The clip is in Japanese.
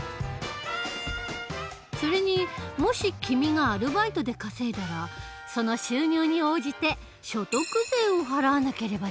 それにもし君がアルバイトで稼いだらその収入に応じて所得税を払わなければならない。